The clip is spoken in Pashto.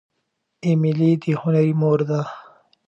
ایمیلي د هنري مور ده.